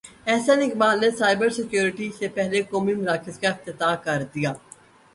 احسن اقبال نے cyber security کے پہلے قومی مرکز کا افتتاح کر دیا